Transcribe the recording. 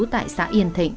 tại xã yên thịnh